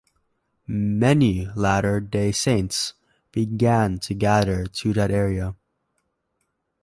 Many Latter Day Saints began to gather to that area.